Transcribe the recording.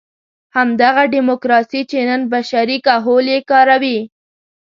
همدغه ډیموکراسي چې نن بشري کهول یې کاروي.